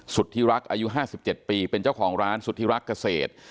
สุธิรักษ์อายุ๕๗ปีเป็นเจ้าของร้านสุธิรักษ์เกษตร